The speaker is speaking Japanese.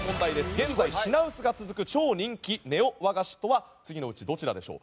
現在、品薄が続く超人気ネオ和菓子とは次のうちどちらでしょう。